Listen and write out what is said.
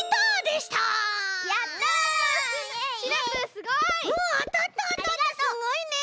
すごいね。